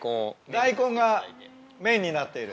大根が麺になっている。